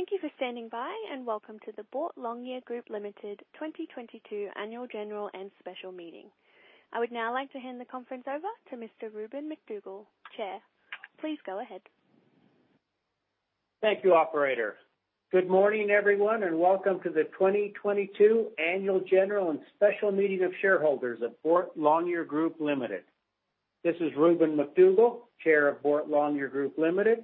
Thank you for standing by, and welcome to the Boart Longyear Group Limited 2022 Annual General and Special Meeting. I would now like to hand the conference over to Mr. Rubin McDougal, Chair. Please go ahead. Thank you, operator. Good morning, everyone, and welcome to the 2022 Annual General and Special Meeting of Shareholders of Boart Longyear Group Limited. This is Rubin McDougal, chair of Boart Longyear Group Limited.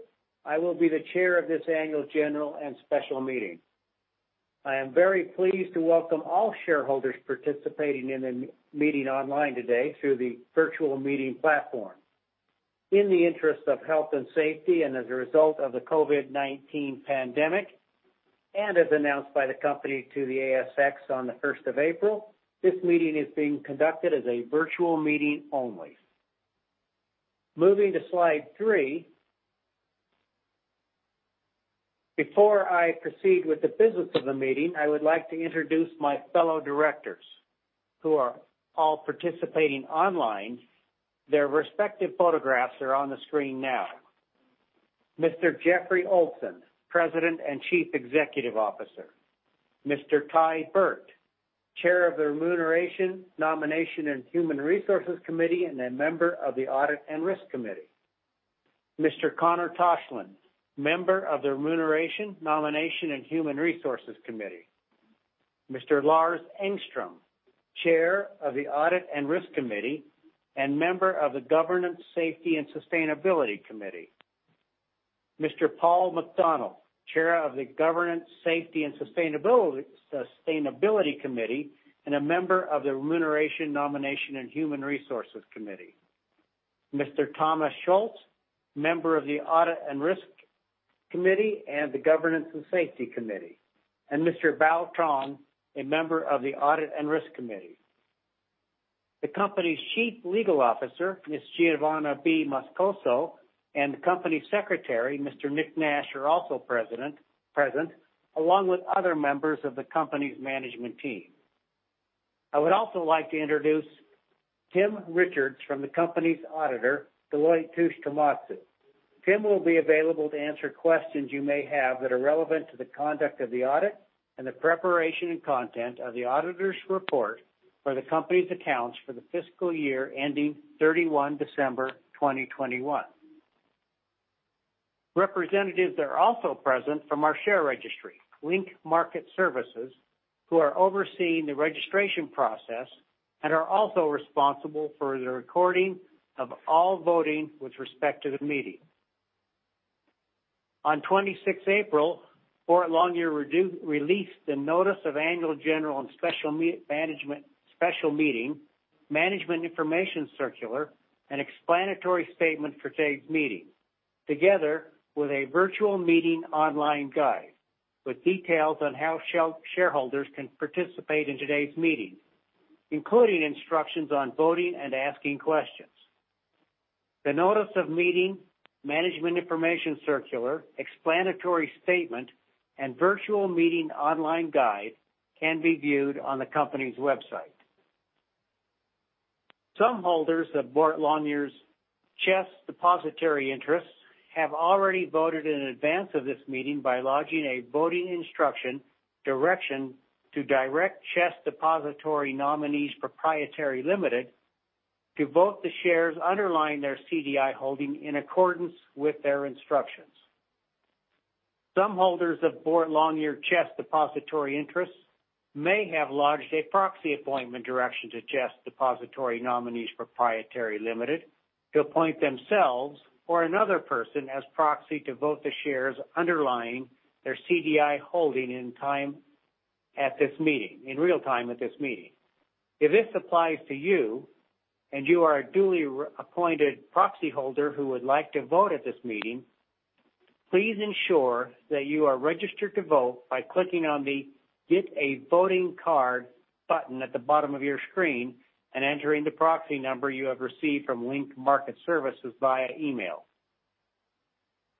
I will be the chair of this annual general and special meeting. I am very pleased to welcome all shareholders participating in the meeting online today through the virtual meeting platform. In the interest of health and safety and as a result of the COVID-19 pandemic, and as announced by the company to the ASX on the first of April, this meeting is being conducted as a virtual meeting only. Moving to slide three. Before I proceed with the business of the meeting, I would like to introduce my fellow directors who are all participating online. Their respective photographs are on the screen now. Mr. Jeffrey Olsen, President and Chief Executive Officer. Mr. Tye Burt, Chair of the Remuneration, Nomination, and Human Resources Committee and a Member of the Audit and Risk Committee. Mr. Conor Tochilin, Member of the Remuneration, Nomination, and Human Resources Committee. Mr. Lars Engström, Chair of the Audit and Risk Committee and Member of the Governance, Safety and Sustainability Committee. Mr. Paul McDonnell, Chair of the Governance, Safety and Sustainability Committee, and a Member of the Remuneration, Nomination, and Human Resources Committee. Mr. Thomas Schulz, Member of the Audit and Risk Committee and the Governance and Safety Committee. Mr. Bao Truong, a Member of the Audit and Risk Committee. The company's chief legal officer, Ms. Giovanna B. Moscoso, and the company secretary, Mr. Nick Nash, are also present, along with other members of the company's management team. I would also like to introduce Tim Richards from the company's auditor, Deloitte Touche Tohmatsu. Tim will be available to answer questions you may have that are relevant to the conduct of the audit and the preparation and content of the auditor's report for the company's accounts for the fiscal year ending 31 December 2021. Representatives are also present from our share registry, Link Market Services, who are overseeing the registration process and are also responsible for the recording of all voting with respect to the meeting. On 26 April, Boart Longyear released the Notice of Annual General and Special Meeting, Management Information Circular, an explanatory statement for today's meeting, together with a virtual meeting online guide with details on how shareholders can participate in today's meeting, including instructions on voting and asking questions. The Notice of Meeting, Management Information Circular, Explanatory Statement, and Virtual Meeting Online Guide can be viewed on the company's website. Some holders of Boart Longyear's CHESS Depository Interests have already voted in advance of this meeting by lodging a voting instruction direction to direct CHESS Depository Nominees Pty Limited to vote the shares underlying their CDI holding in accordance with their instructions. Some holders of Boart Longyear CHESS Depository Interests may have lodged a proxy appointment direction to CHESS Depository Nominees Pty Limited to appoint themselves or another person as proxy to vote the shares underlying their CDI holding in time at this meeting, in real-time at this meeting. If this applies to you, and you are a duly-appointed proxy holder who would like to vote at this meeting, please ensure that you are registered to vote by clicking on the Get a Voting Card button at the bottom of your screen and entering the proxy number you have received from Link Market Services via email.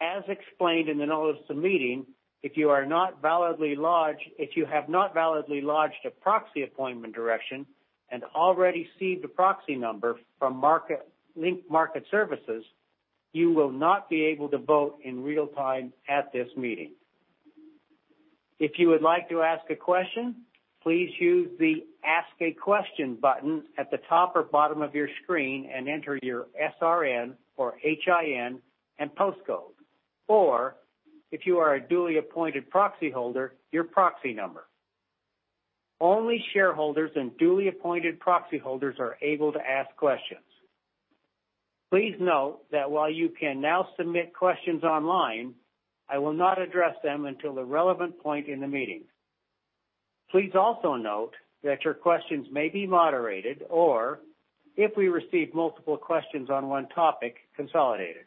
As explained in the Notice of Meeting, if you have not validly lodged a proxy appointment direction and already received a proxy number from Link Market Services, you will not be able to vote in real-time at this meeting. If you would like to ask a question, please use the Ask a Question button at the top or bottom of your screen and enter your SRN or HIN and postcode. Or if you are a duly appointed proxy holder, your proxy number. Only shareholders and duly appointed proxy holders are able to ask questions. Please note that while you can now submit questions online, I will not address them until the relevant point in the meeting. Please also note that your questions may be moderated or if we receive multiple questions on one topic, consolidated.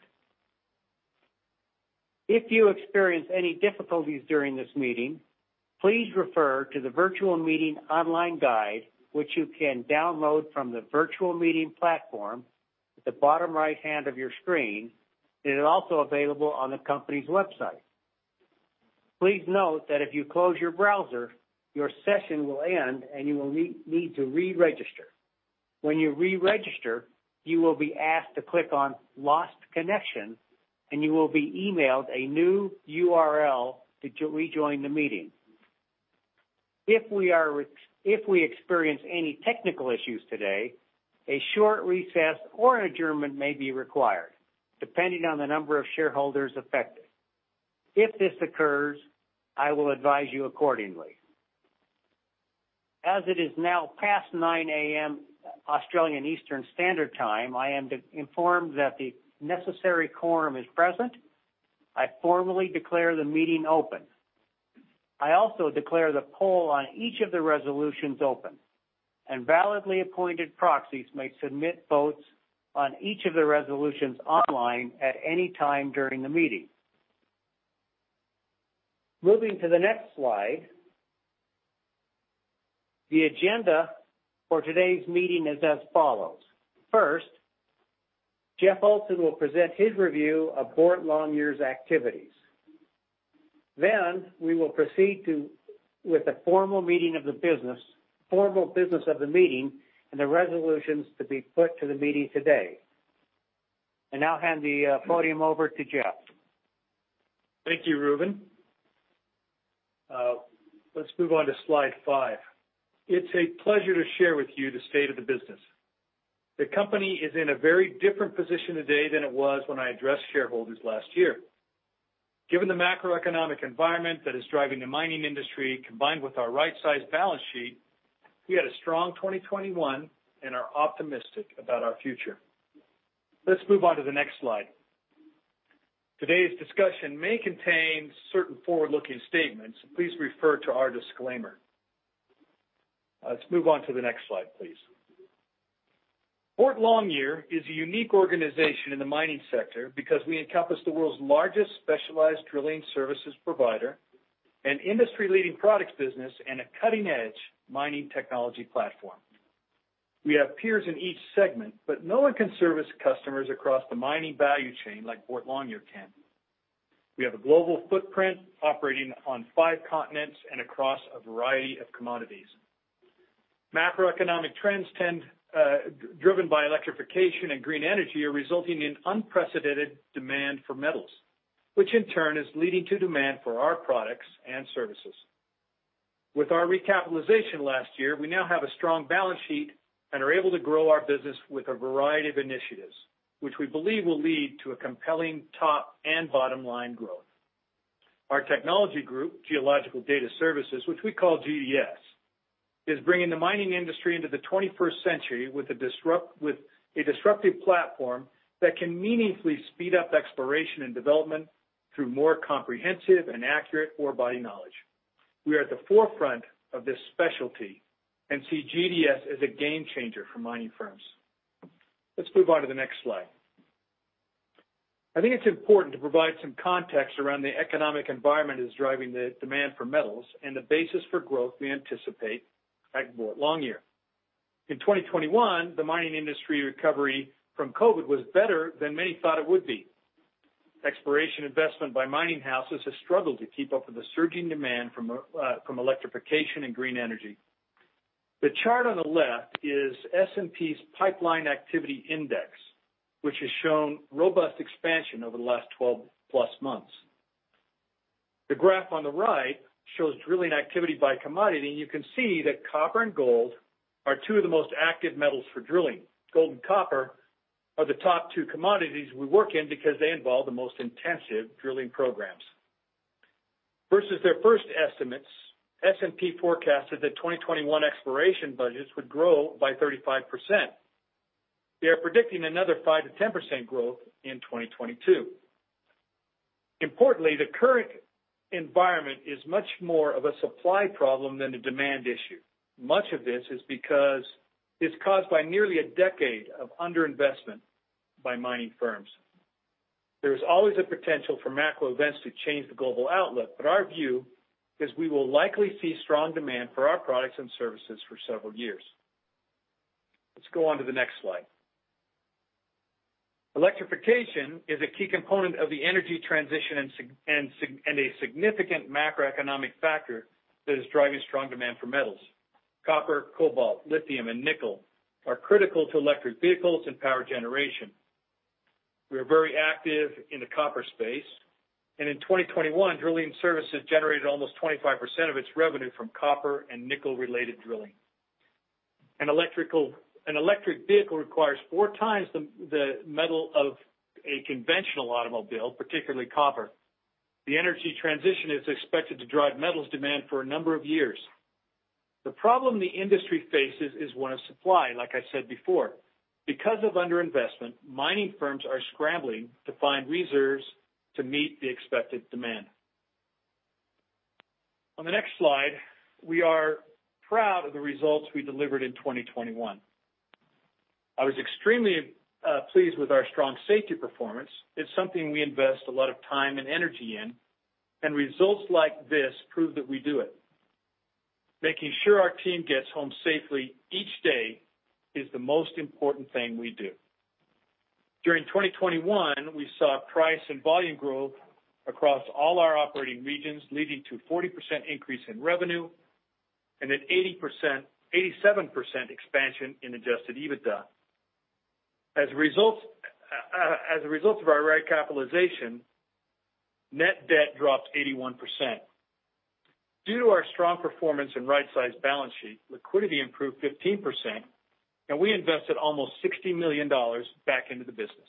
If you experience any difficulties during this meeting, please refer to the Virtual Meeting Online Guide, which you can download from the virtual meeting platform at the bottom right-hand of your screen. It is also available on the company's website. Please note that if you close your browser, your session will end, and you will need to re-register. When you re-register, you will be asked to click on Lost Connection, and you will be emailed a new URL to rejoin the meeting. If we experience any technical issues today, a short recess or adjournment may be required depending on the number of shareholders affected. If this occurs, I will advise you accordingly. As it is now past 9 A.M., Australian Eastern Standard Time, I am informed that the necessary quorum is present. I formally declare the meeting open. I also declare the poll on each of the resolutions open, and validly appointed proxies may submit votes on each of the resolutions online at any time during the meeting. Moving to the next slide. The agenda for today's meeting is as follows. First, Jeff Olsen will present his review of Boart Longyear's activities. Then we will proceed with the formal business of the meeting and the resolutions to be put to the meeting today. I now hand the podium over to Jeff. Thank you, Rubin. Let's move on to slide five. It's a pleasure to share with you the state of the business. The company is in a very different position today than it was when I addressed shareholders last year. Given the macroeconomic environment that is driving the mining industry, combined with our right-sized balance sheet, we had a strong 2021 and are optimistic about our future. Let's move on to the next slide. Today's discussion may contain certain forward-looking statements. Please refer to our disclaimer. Let's move on to the next slide, please. Boart Longyear is a unique organization in the mining sector because we encompass the world's largest specialized drilling services provider, an industry-leading products business, and a cutting-edge mining technology platform. We have peers in each segment, but no one can service customers across the mining value chain like Boart Longyear can. We have a global footprint operating on five continents and across a variety of commodities. Macroeconomic trends, driven by electrification and green energy, are resulting in unprecedented demand for metals, which in turn is leading to demand for our products and services. With our recapitalization last year, we now have a strong balance sheet and are able to grow our business with a variety of initiatives, which we believe will lead to a compelling top and bottom-line growth. Our technology group, Geological Data Services, which we call GDS, is bringing the mining industry into the twenty-first century with a disruptive platform that can meaningfully speed up exploration and development through more comprehensive and accurate ore body knowledge. We are at the forefront of this specialty and see GDS as a game changer for mining firms. Let's move on to the next slide. I think it's important to provide some context around the economic environment that is driving the demand for metals and the basis for growth we anticipate at Boart Longyear. In 2021, the mining industry recovery from COVID was better than many thought it would be. Exploration investment by mining houses has struggled to keep up with the surging demand from electrification and green energy. The chart on the left is S&P's Pipeline Activity Index, which has shown robust expansion over the last 12+ months. The graph on the right shows drilling activity by commodity, and you can see that copper and gold are two of the most active metals for drilling. Gold and copper are the top two commodities we work in because they involve the most intensive drilling programs. Versus their first estimates, S&P forecasted that 2021 exploration budgets would grow by 35%. They are predicting another 5%-10% growth in 2022. Importantly, the current environment is much more of a supply problem than a demand issue. Much of this is because it's caused by nearly a decade of underinvestment by mining firms. There is always a potential for macro events to change the global outlook, but our view is we will likely see strong demand for our products and services for several years. Let's go on to the next slide. Electrification is a key component of the energy transition and a significant macroeconomic factor that is driving strong demand for metals. Copper, cobalt, lithium, and nickel are critical to electric vehicles and power generation. We are very active in the copper space, and in 2021, drilling services generated almost 25% of its revenue from copper and nickel-related drilling. An electric vehicle requires four times the metal of a conventional automobile, particularly copper. The energy transition is expected to drive metals demand for a number of years. The problem the industry faces is one of supply, like I said before. Because of underinvestment, mining firms are scrambling to find reserves to meet the expected demand. On the next slide, we are proud of the results we delivered in 2021. I was extremely pleased with our strong safety performance. It's something we invest a lot of time and energy in, and results like this prove that we do it. Making sure our team gets home safely each day is the most important thing we do. During 2021, we saw price and volume growth across all our operating regions, leading to 40% increase in revenue and an 87% expansion in adjusted EBITDA. As a result of our recapitalization, net debt dropped 81%. Due to our strong performance and right-sized balance sheet, liquidity improved 15% and we invested almost $60 million back into the business.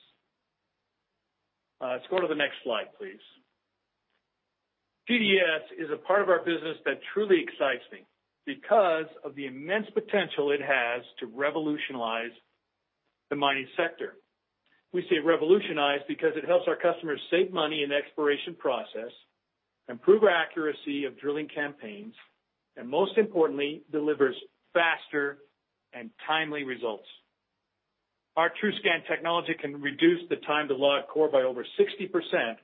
Let's go to the next slide, please. GDS is a part of our business that truly excites me because of the immense potential it has to revolutionize the mining sector. We say revolutionize because it helps our customers save money in the exploration process, improve accuracy of drilling campaigns, and most importantly, delivers faster and timely results. Our TruScan™ technology can reduce the time to log core by over 60%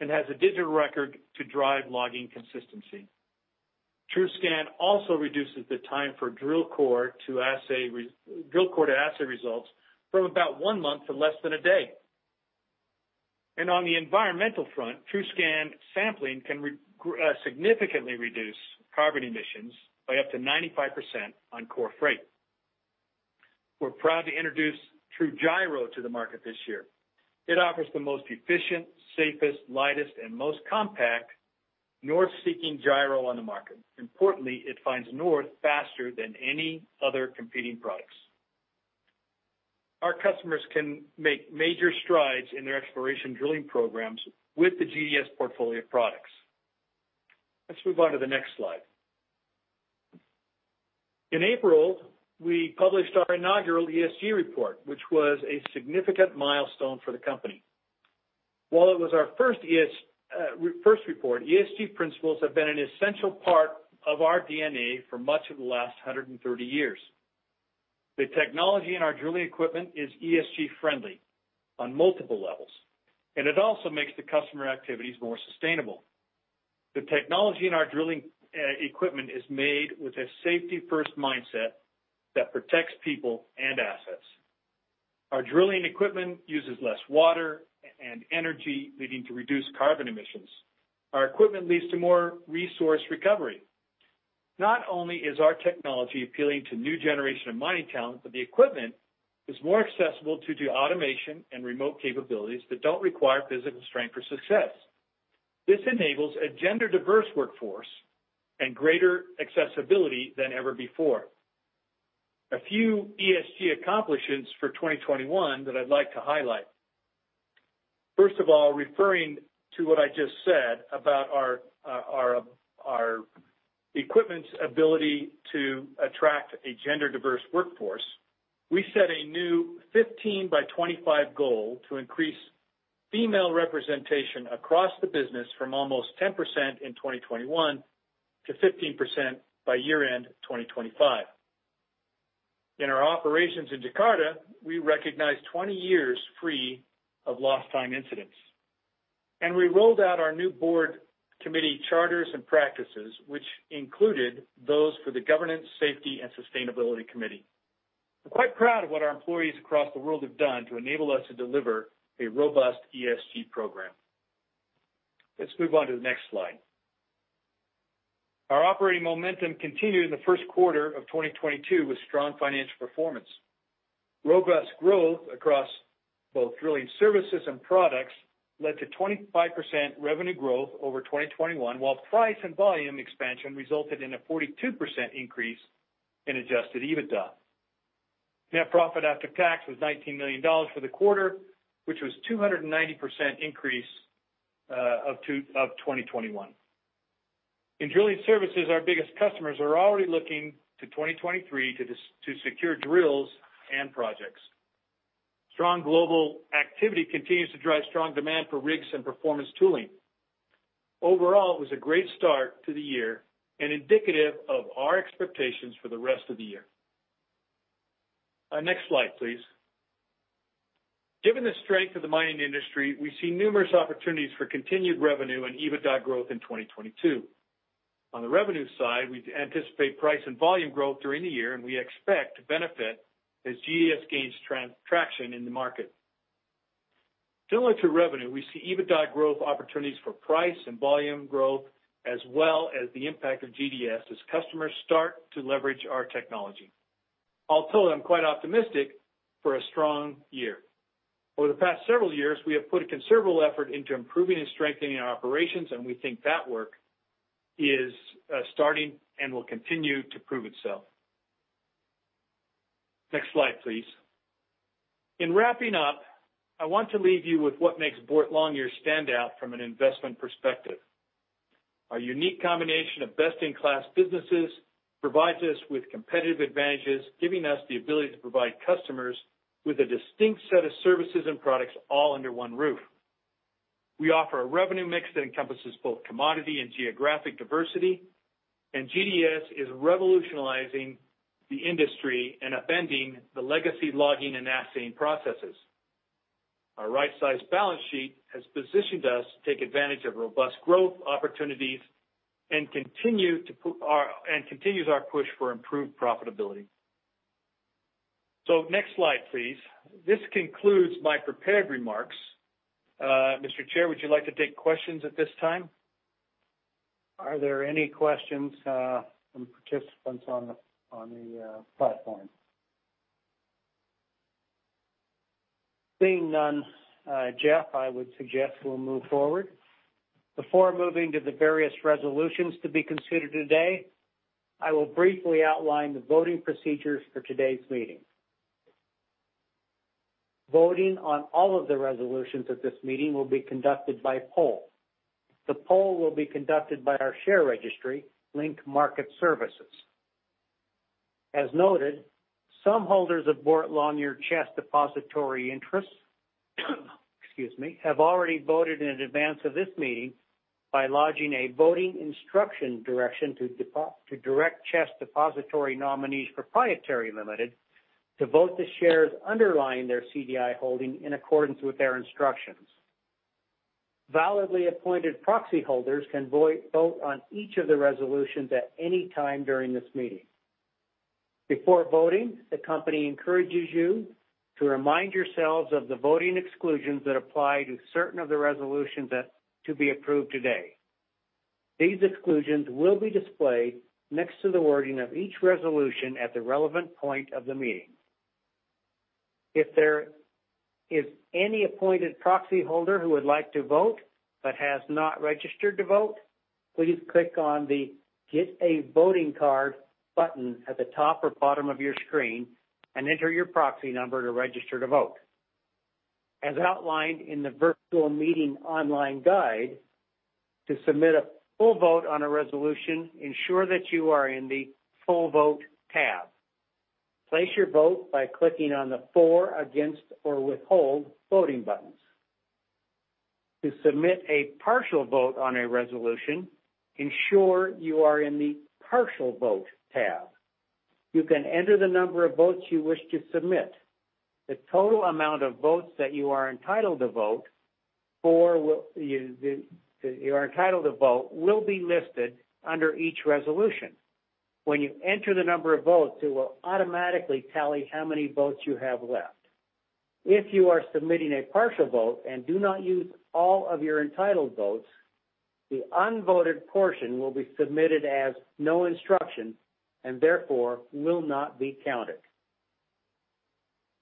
and has a digital record to drive logging consistency. TruScan™ also reduces the time for drill core to assay results from about one month to less than a day. On the environmental front, TruScan™ sampling can significantly reduce carbon emissions by up to 95% on core freight. We're proud to introduce TruGyro™ to the market this year. It offers the most efficient, safest, lightest, and most compact north-seeking gyro on the market. Importantly, it finds north faster than any other competing products. Our customers can make major strides in their exploration drilling programs with the GDS portfolio products. Let's move on to the next slide. In April, we published our inaugural ESG report, which was a significant milestone for the company. While it was our first report, ESG principles have been an essential part of our DNA for much of the last 130 years. The technology in our drilling equipment is ESG friendly on multiple levels, and it also makes the customer activities more sustainable. The technology in our drilling equipment is made with a safety-first mindset that protects people and assets. Our drilling equipment uses less water and energy, leading to reduced carbon emissions. Our equipment leads to more resource recovery. Not only is our technology appealing to new generation of mining talent, but the equipment is more accessible due to automation and remote capabilities that don't require physical strength for success. This enables a gender diverse workforce and greater accessibility than ever before. A few ESG accomplishments for 2021 that I'd like to highlight. First of all, referring to what I just said about our equipment's ability to attract a gender diverse workforce, we set a new 15 by 2025 goal to increase female representation across the business from almost 10% in 2021 to 15% by year-end 2025. In our operations in Jakarta, we recognized 20 years free of lost time incidents. We rolled out our new board committee charters and practices, which included those for the Governance, Safety and Sustainability Committee. We're quite proud of what our employees across the world have done to enable us to deliver a robust ESG program. Let's move on to the next slide. Our operating momentum continued in the first quarter of 2022 with strong financial performance. Robust growth across both drilling services and products led to 25% revenue growth over 2021, while price and volume expansion resulted in a 42% increase in Adjusted EBITDA. Net profit after tax was $19 million for the quarter, which was 290% increase of 2021. In drilling services, our biggest customers are already looking to 2023 to secure drills and projects. Strong global activity continues to drive strong demand for rigs and performance tooling. Overall, it was a great start to the year and indicative of our expectations for the rest of the year. Next slide, please. Given the strength of the mining industry, we see numerous opportunities for continued revenue and EBITDA growth in 2022. On the revenue side, we anticipate price and volume growth during the year, and we expect to benefit as GDS gains traction in the market. Similar to revenue, we see EBITDA growth opportunities for price and volume growth, as well as the impact of GDS as customers start to leverage our technology. All told, I'm quite optimistic for a strong year. Over the past several years, we have put a considerable effort into improving and strengthening our operations, and we think that work is starting and will continue to prove itself. Next slide, please. In wrapping up, I want to leave you with what makes Boart Longyear stand out from an investment perspective. Our unique combination of best-in-class businesses provides us with competitive advantages, giving us the ability to provide customers with a distinct set of services and products all under one roof. We offer a revenue mix that encompasses both commodity and geographic diversity, and GDS is revolutionizing the industry and upending the legacy logging and assaying processes. Our right-sized balance sheet has positioned us to take advantage of robust growth opportunities and continues our push for improved profitability. Next slide, please. This concludes my prepared remarks. Mr. Chair, would you like to take questions at this time? Are there any questions from participants on the platform? Seeing none, Jeff, I would suggest we'll move forward. Before moving to the various resolutions to be considered today, I will briefly outline the voting procedures for today's meeting. Voting on all of the resolutions at this meeting will be conducted by poll. The poll will be conducted by our share registry, Link Market Services. As noted, some holders of Boart Longyear CHESS Depository Interests, excuse me, have already voted in advance of this meeting by lodging a voting instruction direction to direct CHESS Depository Nominees Pty Limited to vote the shares underlying their CDI holding in accordance with their instructions. Validly appointed proxy holders can vote on each of the resolutions at any time during this meeting. Before voting, the company encourages you to remind yourselves of the voting exclusions that apply to certain of the resolutions to be approved today. These exclusions will be displayed next to the wording of each resolution at the relevant point of the meeting. If there is any appointed proxy holder who would like to vote but has not registered to vote, please click on the Get a Voting Card button at the top or bottom of your screen and enter your proxy number to register to vote. As outlined in the virtual meeting online guide, to submit a full vote on a resolution, ensure that you are in the Full Vote tab. Place your vote by clicking on the For, Against, or Withhold voting buttons. To submit a partial vote on a resolution, ensure you are in the Partial Vote tab. You can enter the number of votes you wish to submit. The total amount of votes that you are entitled to vote will be listed under each resolution. When you enter the number of votes, it will automatically tally how many votes you have left. If you are submitting a partial vote and do not use all of your entitled votes, the unvoted portion will be submitted as no instruction and therefore will not be counted.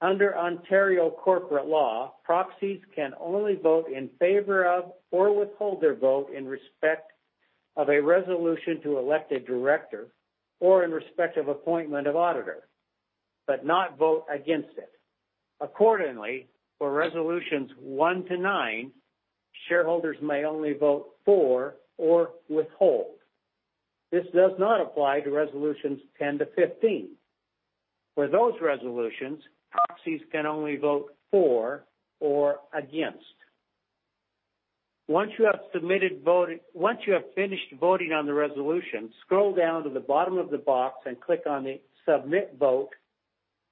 Under Ontario corporate law, proxies can only vote in favor of or withhold their vote in respect of a resolution to elect a director or in respect of appointment of auditor, but not vote against it. Accordingly, for resolutions one to nine, shareholders may only vote for or withhold. This does not apply to resolutions 10-15. For those resolutions, proxies can only vote for or against. Once you have finished voting on the resolution, scroll down to the bottom of the box and click on the Submit Vote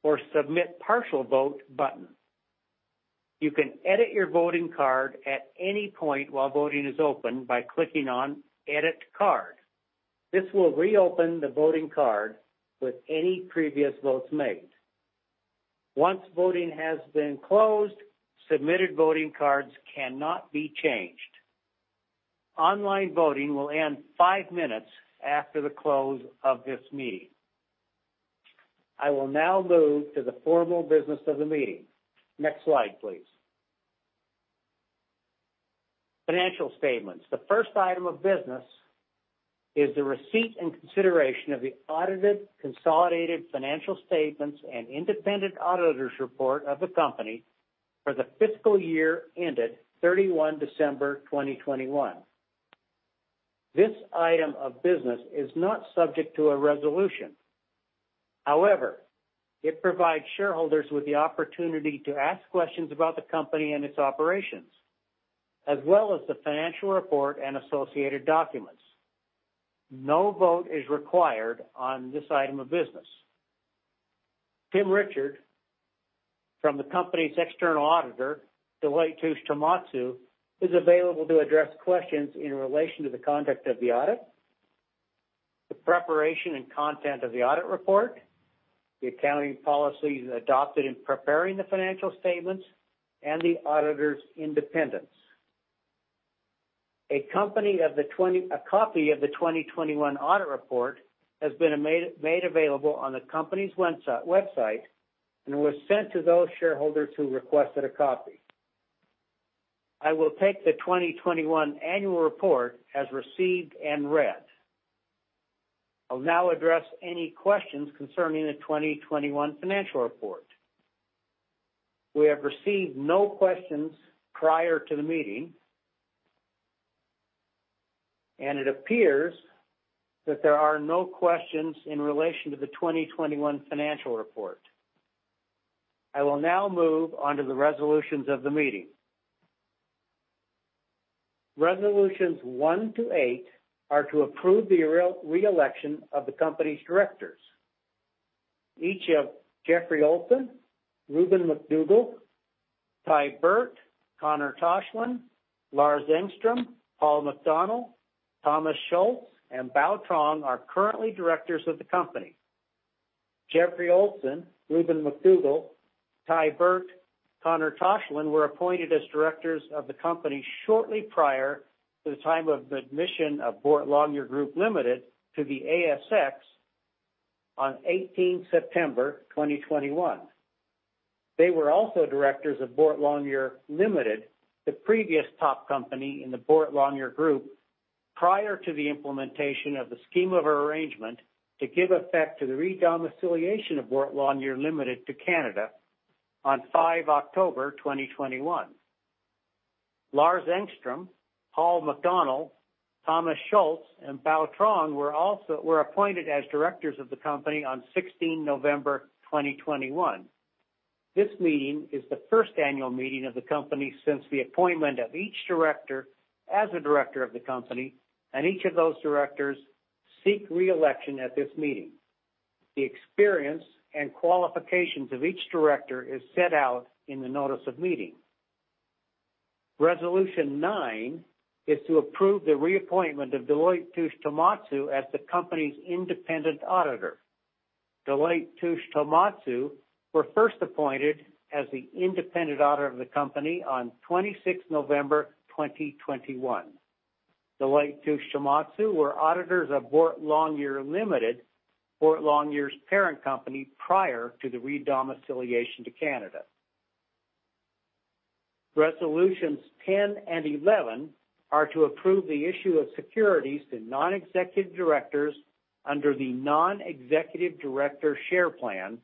or Submit Partial Vote button. You can edit your voting card at any point while voting is open by clicking on Edit Card. This will reopen the voting card with any previous votes made. Once voting has been closed, submitted voting cards cannot be changed. Online voting will end five minutes after the close of this meeting. I will now move to the formal business of the meeting. Next slide, please. Financial statements. The first item of business is the receipt and consideration of the audited consolidated financial statements and independent auditor's report of the company for the fiscal year ended 31 December 2021. This item of business is not subject to a resolution. However, it provides shareholders with the opportunity to ask questions about the company and its operations, as well as the financial report and associated documents. No vote is required on this item of business. Tim Richards, from the company's external auditor, Deloitte Touche Tohmatsu, is available to address questions in relation to the conduct of the audit, the preparation and content of the audit report, the accounting policies adopted in preparing the financial statements, and the auditor's independence. A copy of the 2021 audit report has been made available on the company's website and was sent to those shareholders who requested a copy. I will take the 2021 annual report as received and read. I'll now address any questions concerning the 2021 financial report. We have received no questions prior to the meeting. It appears that there are no questions in relation to the 2021 financial report. I will now move on to the resolutions of the meeting. Resolutions one to eight are to approve the re-election of the company's directors. Each of Jeffrey Olsen, Rubin McDougal, Tye Burt, Conor Tochilin, Lars Engström, Paul McDonnell, Thomas Schulz, and Bao Truong are currently directors of the company. Jeffrey Olsen, Rubin McDougal, Tye Burt, Conor Tochilin were appointed as directors of the company shortly prior to the time of the admission of Boart Longyear Group Limited to the ASX on 18 September 2021. They were also directors of Boart Longyear Limited, the previous top company in the Boart Longyear Group, prior to the implementation of the scheme of arrangement to give effect to the re-domiciliation of Boart Longyear Limited to Canada on 5 October 2021. Lars Engström, Paul McDonnell, Thomas Schulz, and Bao Truong were appointed as directors of the company on 16 November 2021. This meeting is the first annual meeting of the company since the appointment of each director as a director of the company, and each of those directors seek re-election at this meeting. The experience and qualifications of each director is set out in the notice of meeting. Resolution nine is to approve the reappointment of Deloitte Touche Tohmatsu as the company's independent auditor. Deloitte Touche Tohmatsu were first appointed as the independent auditor of the company on 26 November 2021. Deloitte Touche Tohmatsu were auditors of Boart Longyear Limited, Boart Longyear's parent company, prior to the re-domiciliation to Canada. Resolutions 10 and 11 are to approve the issue of securities to non-executive directors under the non-executive director share plan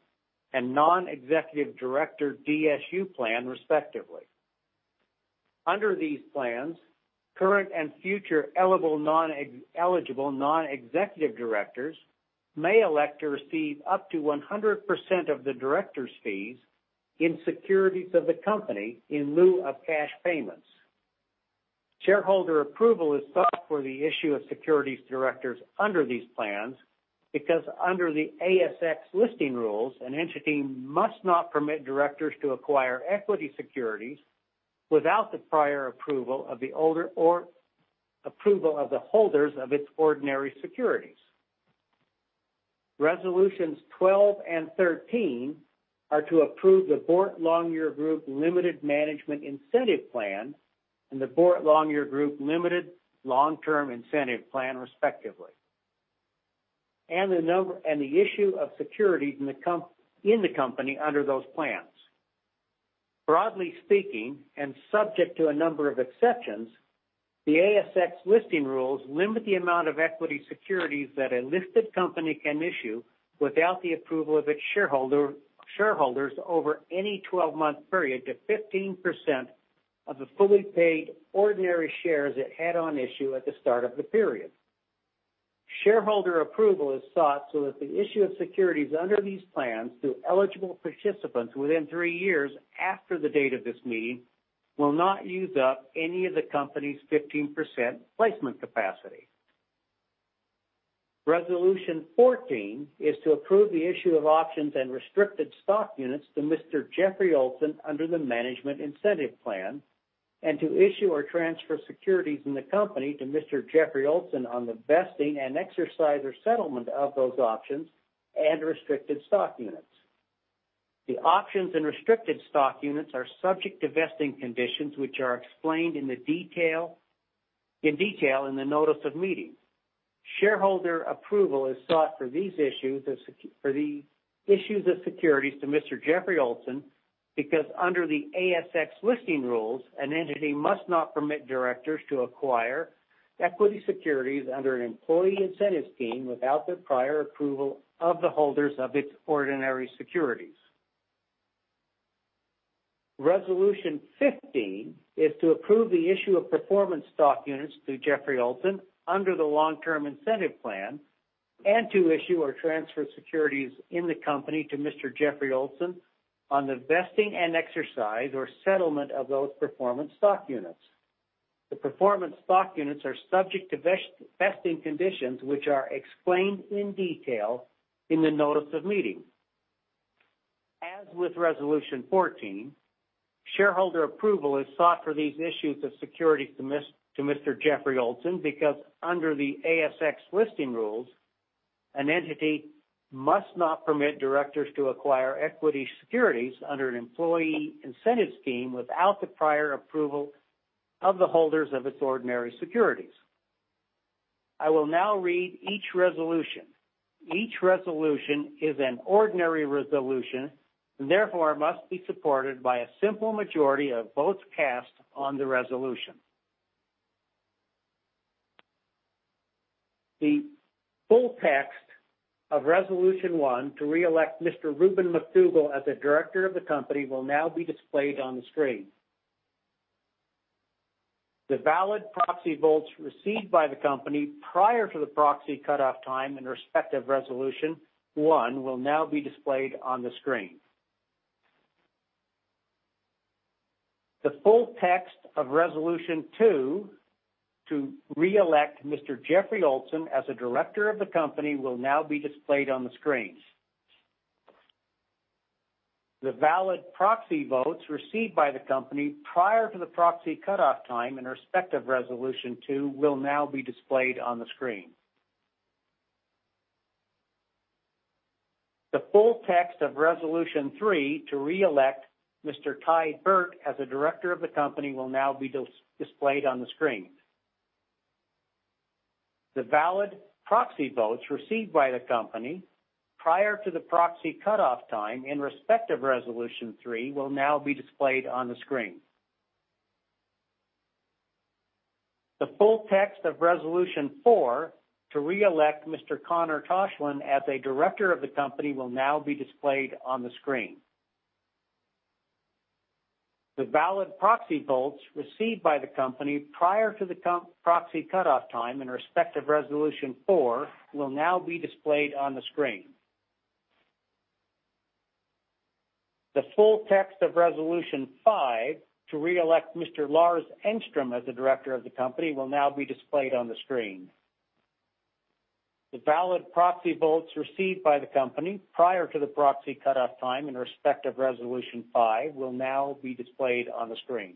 and non-executive director DSU plan, respectively. Under these plans, current and future eligible non-executive directors may elect to receive up to 100% of the directors' fees in securities of the company in lieu of cash payments. Shareholder approval is sought for the issue of securities to directors under these plans because under the ASX Listing Rules, an entity must not permit directors to acquire equity securities without the prior approval of the Board or approval of the holders of its ordinary securities. Resolutions 12 and 13 are to approve the Boart Longyear Group Limited Management Incentive Plan and the Boart Longyear Group Limited Long-Term Incentive Plan, respectively, and the issue of securities in the company under those plans. Broadly speaking, and subject to a number of exceptions, the ASX Listing Rules limit the amount of equity securities that a listed company can issue without the approval of its shareholders over any 12-month period to 15% of the fully paid ordinary shares it had on issue at the start of the period. Shareholder approval is sought so that the issue of securities under these plans to eligible participants within 3 years after the date of this meeting will not use up any of the company's 15% placement capacity. Resolution 14 is to approve the issue of options and restricted stock units to Mr. Jeffrey Olsen under the Management Incentive Plan and to issue or transfer securities in the company to Mr. Jeffrey Olsen on the vesting and exercise or settlement of those options and restricted stock units. The options and restricted stock units are subject to vesting conditions, which are explained in detail in the notice of meeting. Shareholder approval is sought for the issues of securities to Mr. Jeffrey Olsen because under the ASX Listing Rules, an entity must not permit directors to acquire equity securities under an employee incentive scheme without the prior approval of the holders of its ordinary securities. Resolution 15 is to approve the issue of performance stock units to Jeffrey Olsen under the Long Term Incentive Plan and to issue or transfer securities in the company to Mr. Jeffrey Olsen on the vesting and exercise or settlement of those performance stock units. The performance stock units are subject to vesting conditions, which are explained in detail in the notice of meeting. As with resolution 14, shareholder approval is sought for these issues of securities to Mr. Jeffrey Olsen because under the ASX Listing Rules, an entity must not permit directors to acquire equity securities under an employee incentive scheme without the prior approval of the holders of its ordinary securities. I will now read each resolution. Each resolution is an ordinary resolution and therefore must be supported by a simple majority of votes cast on the resolution. The full text of resolution one to re-elect Mr. Rubin McDougal as a director of the company will now be displayed on the screen. The valid proxy votes received by the company prior to the proxy cutoff time in respect of Resolution one will now be displayed on the screen. The full text of Resolution two to re-elect Mr. Jeffrey Olsen as a director of the company will now be displayed on the screen. The valid proxy votes received by the company prior to the proxy cutoff time in respect of Resolution two will now be displayed on the screen. The full text of Resolution three to re-elect Mr. Tye Burt as a director of the company will now be displayed on the screen. The valid proxy votes received by the company prior to the proxy cutoff time in respect of Resolution three will now be displayed on the screen. The full text of Resolution four to re-elect Mr. Conor Tochilin as a director of the company will now be displayed on the screen. The valid proxy votes received by the company prior to the proxy cutoff time in respect of Resolution four will now be displayed on the screen.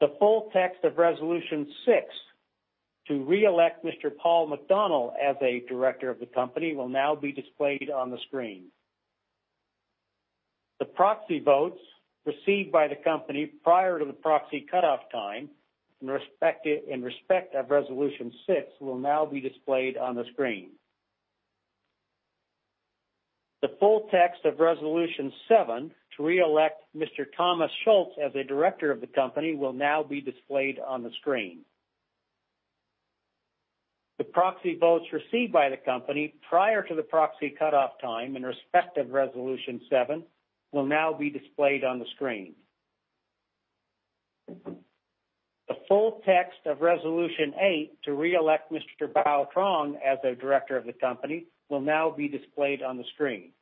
The full text of Resolution five to re-elect Mr. Lars Engström as a director of the company will now be displayed on the screen. The valid proxy votes received by the company prior to the proxy cutoff time in respect of Resolution five will now be displayed on the screen. The full text of Resolution six to re-elect Mr. Paul McDonnell as a director of the company will now be displayed on the screen. The proxy votes received by the company prior to the proxy cutoff time in respect of Resolution six will now be displayed on the screen. The full text of Resolution seven to re-elect Mr. Thomas Schulz as a director of the company will now be displayed on the screen.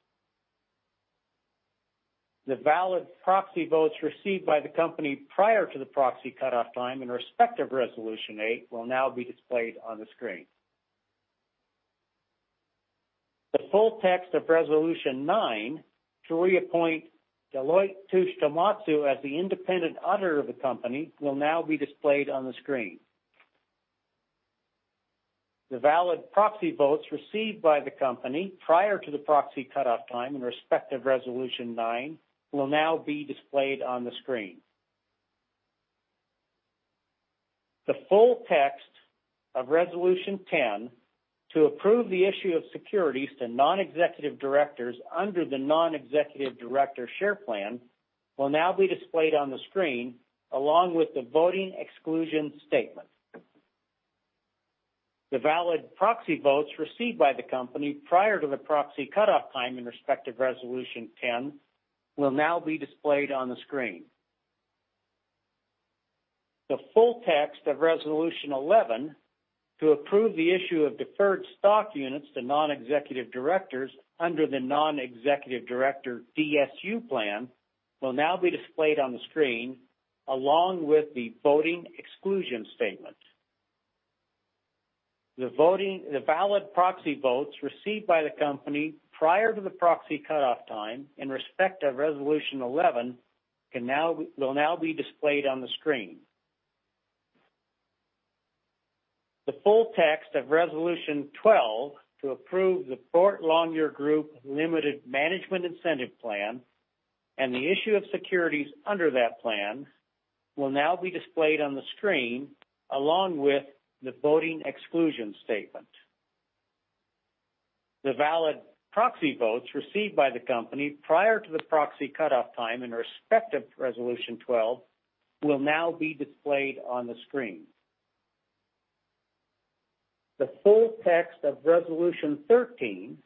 The proxy votes received by the company prior to the proxy cutoff time in respect of Resolution seven will now be displayed on the screen. The full text of Resolution eight to re-elect Mr. Bao Truong as a director of the company will now be displayed on the screen. The valid proxy votes received by the company prior to the proxy cutoff time in respect of Resolution eight will now be displayed on the screen. The full text of Resolution nine to reappoint Deloitte Touche Tohmatsu as the independent auditor of the company will now be displayed on the screen. The valid proxy votes received by the company prior to the proxy cutoff time in respect of Resolution nine will now be displayed on the screen. The full text of Resolution 10 to approve the issue of securities to non-executive directors under the non-executive director share plan will now be displayed on the screen, along with the voting exclusion statement. The valid proxy votes received by the company prior to the proxy cutoff time in respect of Resolution 10 will now be displayed on the screen. The full text of Resolution 11 to approve the issue of deferred stock units to non-executive directors under the non-executive director DSU plan will now be displayed on the screen, along with the voting exclusion statement. The valid proxy votes received by the company prior to the proxy cutoff time in respect of Resolution 11 will now be displayed on the screen. The full text of Resolution 12 to approve the Boart Longyear Group Limited Management Incentive Plan and the issue of securities under that plan will now be displayed on the screen, along with the voting exclusion statement. The valid proxy votes received by the company prior to the proxy cutoff time in respect of Resolution 12 will now be displayed on the screen. The full text of Resolution 13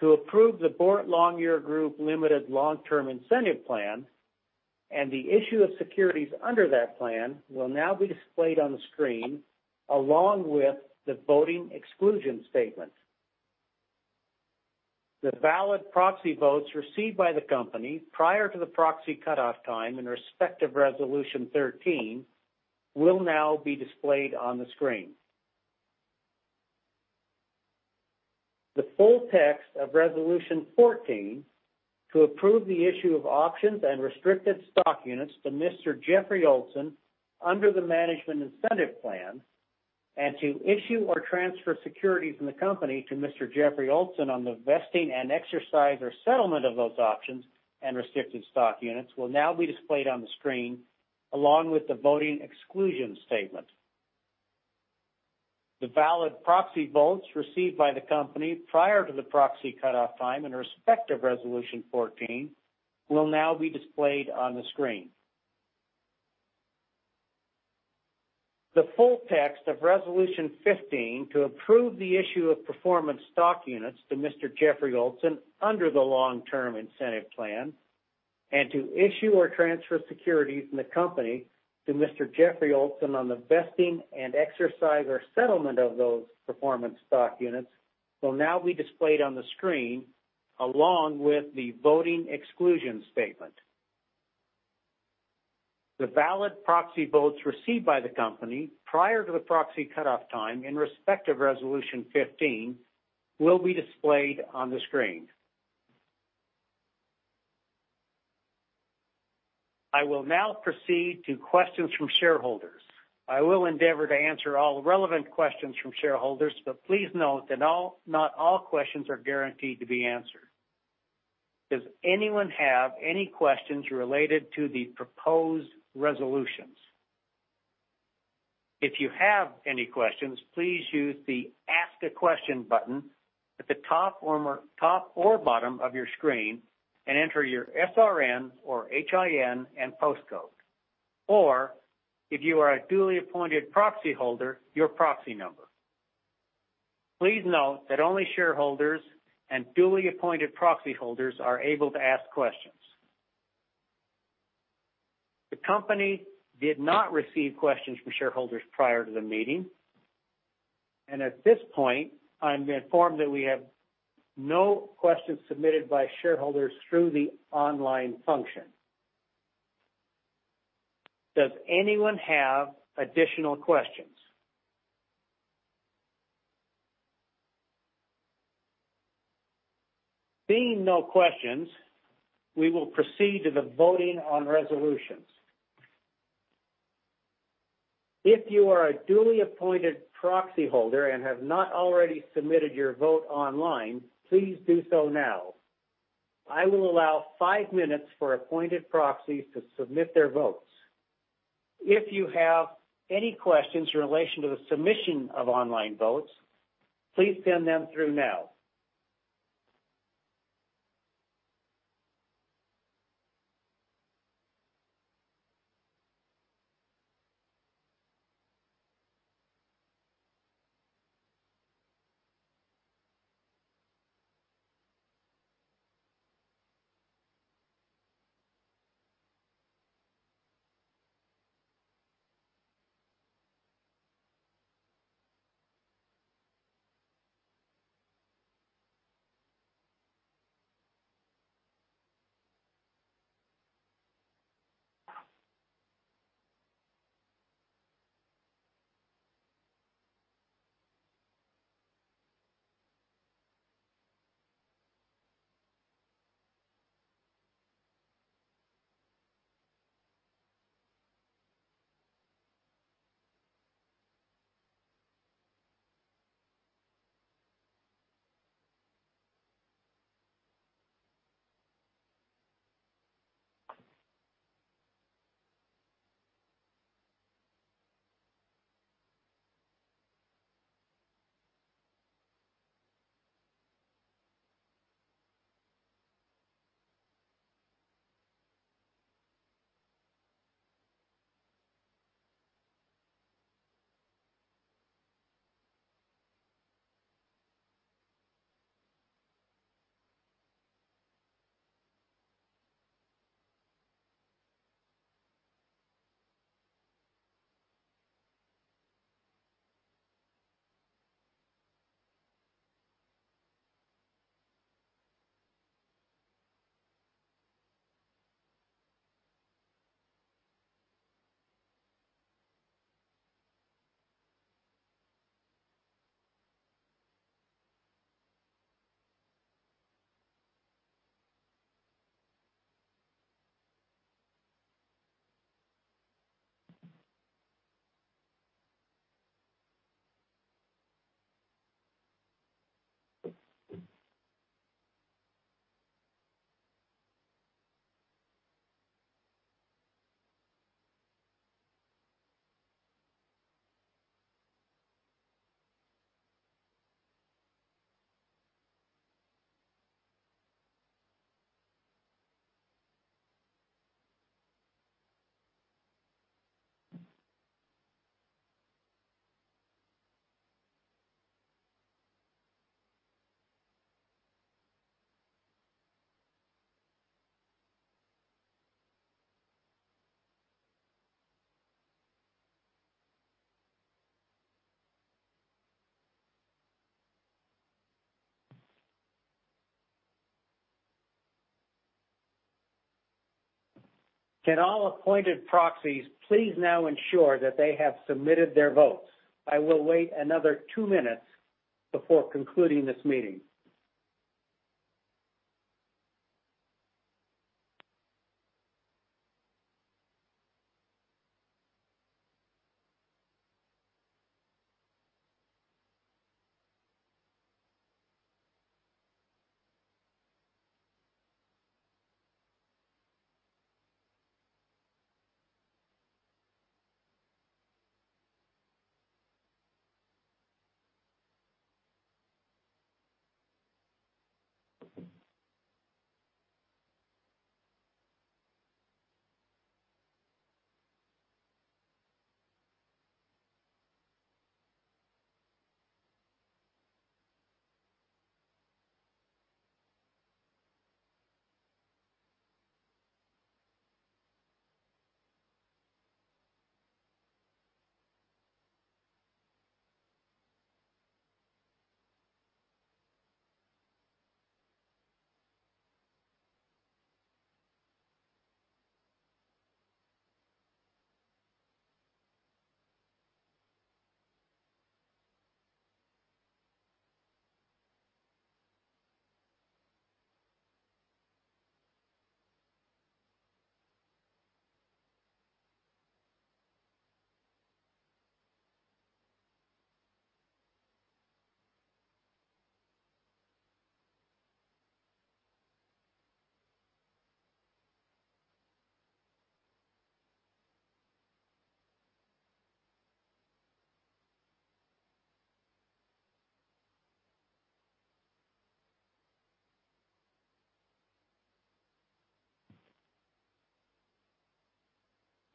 to approve the Boart Longyear Group Limited Long Term Incentive Plan and the issue of securities under that plan will now be displayed on the screen, along with the voting exclusion statement. The valid proxy votes received by the company prior to the proxy cutoff time in respect of Resolution 13 will now be displayed on the screen. The full text of Resolution 14 to approve the issue of options and restricted stock units to Mr. Jeffrey Olsen under the Management Incentive Plan, and to issue or transfer securities in the company to Mr. Jeffrey Olsen on the vesting and exercise or settlement of those options and restricted stock units will now be displayed on the screen, along with the voting exclusion statement. The valid proxy votes received by the company prior to the proxy cutoff time in respect of Resolution 14 will now be displayed on the screen. The full text of Resolution 15 to approve the issue of performance stock units to Mr. Jeffrey Olsen under the Long Term Incentive Plan, and to issue or transfer securities in the company to Mr. Jeffrey Olsen on the vesting and exercise or settlement of those performance stock units will now be displayed on the screen along with the voting exclusion statement. The valid proxy votes received by the company prior to the proxy cutoff time in respect of Resolution 15 will be displayed on the screen. I will now proceed to questions from shareholders. I will endeavor to answer all relevant questions from shareholders, but please note that not all questions are guaranteed to be answered. Does anyone have any questions related to the proposed Resolutions? If you have any questions, please use the Ask a Question button at the top or bottom of your screen and enter your SRN or HIN and postcode. Or if you are a duly appointed proxy holder, your proxy number. Please note that only shareholders and duly appointed proxy holders are able to ask questions. The company did not receive questions from shareholders prior to the meeting, and at this point, I'm informed that we have no questions submitted by shareholders through the online function. Does anyone have additional questions? Seeing no questions, we will proceed to the voting on resolutions. If you are a duly appointed proxy holder and have not already submitted your vote online, please do so now. I will allow five minutes for appointed proxies to submit their votes. If you have any questions in relation to the submission of online votes, please send them through now. Can all appointed proxies please now ensure that they have submitted their votes? I will wait another two minutes before concluding this meeting.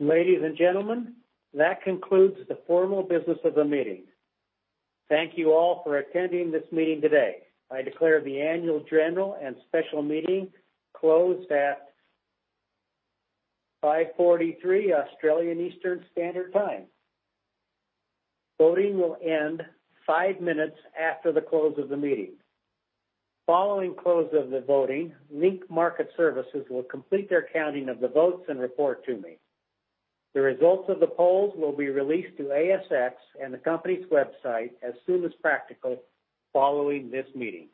Ladies and gentlemen, that concludes the formal business of the meeting. Thank you all for attending this meeting today. I declare the annual general and special meeting closed at 5:43 P.M. Australian Eastern Standard Time. Voting will end five minutes after the close of the meeting. Following close of the voting, Link Market Services will complete their counting of the votes and report to me. The results of the polls will be released to ASX and the company's website as soon as practical following this meeting.